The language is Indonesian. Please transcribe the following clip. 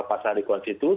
it juga berbeda kalau